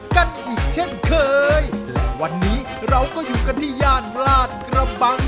กันอีกเช่นเคยวันนี้เราก็อยู่กันที่ย่านลาดกระบัง